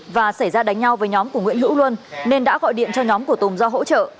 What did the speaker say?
và xảy ra đánh nhau với nhóm của nguyễn hữu luân nên đã gọi điện cho nhóm của tùng ra hỗ trợ